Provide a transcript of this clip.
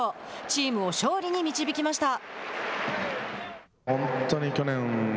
チームを勝利に導きました。